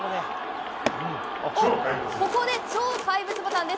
ここで、超怪物ボタンです。